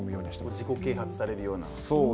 自己啓発されるような。